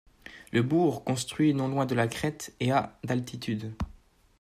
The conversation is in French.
Le bourg, construit non loin de la crête, est à d'altitude.